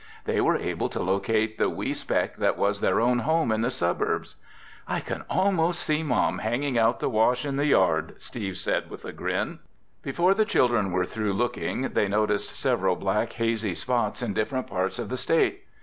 They were able to locate the wee speck that was their own home in the suburbs. "I can almost see Mom hanging out the wash in the yard!" Steve said with a grin. Before the children were through looking, they noticed several black hazy spots in different parts of the state.